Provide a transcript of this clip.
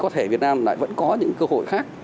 có thể việt nam lại vẫn có những cơ hội khác